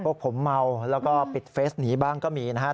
พวกผมเมาแล้วก็ปิดเฟสหนีบ้างก็มีนะครับ